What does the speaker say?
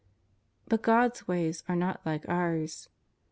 But God's ways are not like ours.